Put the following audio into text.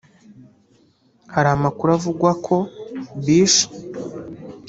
Hari amakuru avugwa ko Bish